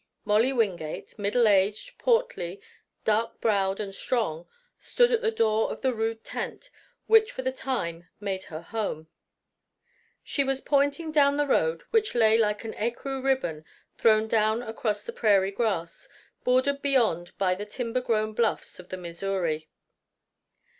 Molly Wingate, middle aged, portly, dark browed and strong, stood at the door of the rude tent which for the time made her home. She was pointing down the road which lay like an écru ribbon thrown down across the prairie grass, bordered beyond by the timber grown bluffs of the Missouri.